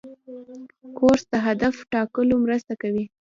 کورس د هدف ټاکلو مرسته کوي.